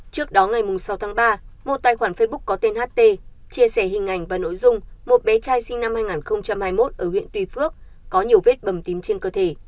trước đó ngày sáu tháng ba một tài khoản facebook có tên ht chia sẻ hình ảnh và nội dung một bé trai sinh năm hai nghìn hai mươi một ở huyện tuy phước có nhiều vết bầm tím trên cơ thể